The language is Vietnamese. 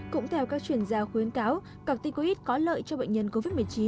cũng theo các chuyên gia khuyến cáo corticoid có lợi cho bệnh nhân covid một mươi chín